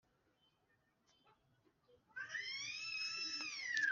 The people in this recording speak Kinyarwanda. atlantike izongera kohereza ibihimbano murugo rwabafatabuguzi bacu,